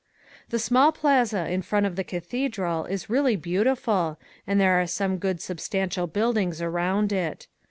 The small plaza in front of the cathedral is really beautiful and there are some good substantial buildings around it.